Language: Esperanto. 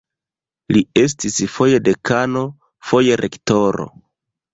Li estis foje dekano, foje rektoro.